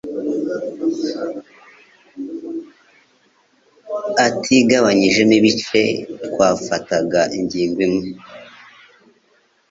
atigabanyijemo ibice. Twafataga ingingo imwe